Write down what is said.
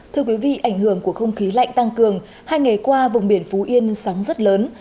thưa quý vị ảnh hưởng của không khí lạnh tăng cường hai ngày qua vùng biển phú yên sóng rất lớn